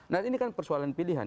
nah ini kan persoalan pilihan